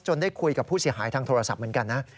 ได้คุยกับผู้เสียหายทางโทรศัพท์เหมือนกันนะ